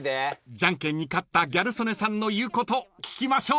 ［じゃんけんに勝ったギャル曽根さんの言うこと聞きましょう］